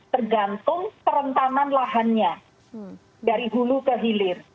tergantung kerentanan lahannya dari hulu ke hilir